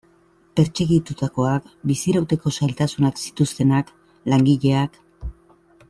Pertsegitutakoak, bizirauteko zailtasunak zituztenak, langileak...